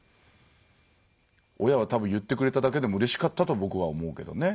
親は多分言ってくれただけでもうれしかったと僕は思うけどね。